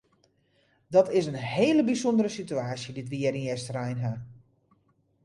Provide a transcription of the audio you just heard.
Dat is in hele bysûndere situaasje dy't we hjir yn Easterein ha.